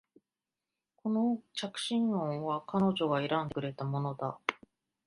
この着信音は彼女が選んでくれたものだ